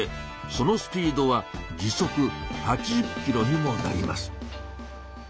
そのスピードは時速８０キロにもなります。